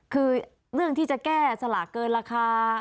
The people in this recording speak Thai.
คือเรื่องที่จะแก้สลากเกินราคา